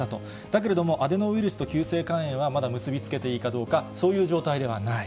だけれども、アデノウイルスと急性肝炎はまだ結び付けていいかどうか、そういう状態ではない。